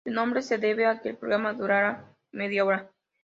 El nombre se debe a que el programa duraba media hora.